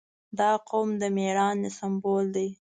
• دا قوم د مېړانې سمبول دی.